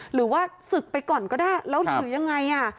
หรือว่าศึกไปก่อนก็ได้แล้วหรือยังไง